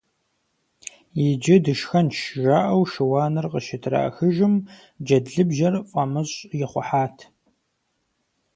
Иджы дышхэнщ! - жаӀэу шыуаныр къыщытрахыжым, джэдлыбжьэр фӀамыщӀ ихъухьат.